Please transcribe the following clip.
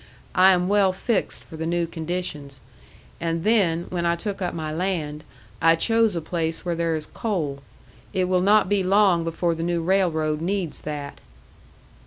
I am well fixed for the new conditions. And then, when I took up my land, I chose a place where there is coal. It will not be long before the new railroad needs that."